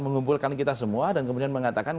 mengumpulkan kita semua dan kemudian mengatakan